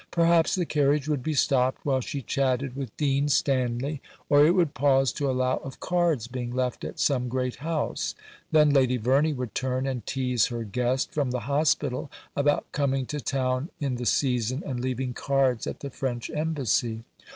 Perhaps the carriage would be stopped while she chatted with Dean Stanley; or it would pause to allow of cards being left at some great house. Then Lady Verney would turn and tease her guest from the hospital about coming to town in the season and leaving cards at the French Embassy.